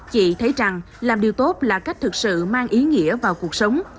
chị thấy rằng làm điều tốt là cách thực sự mang ý nghĩa vào cuộc sống